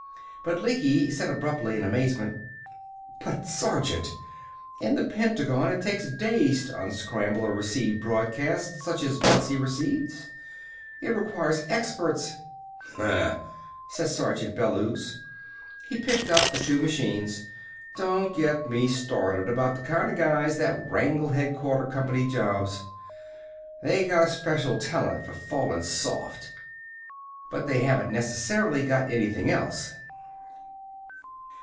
But Lecky said abruptly, in amazement: "But, Sergeant! In the Pentagon it takes days to unscramble a received broadcast such as Betsy receives! It requires experts " "Huh!" said Sergeant Bellews. He picked up the two machines. "Don't get me started about the kinda guys that wangle headquarters company jobs! They got a special talent for fallin' soft. But they haven't necessarily got anything else!"